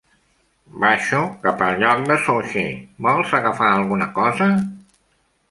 Baixo cap al lloc de sushi, vols agafar alguna cosa?